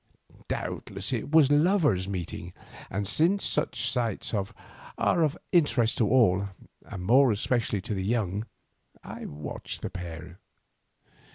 Doubtless it was a lovers' meeting, and since such sights are of interest to all, and more especially to the young, I watched the pair.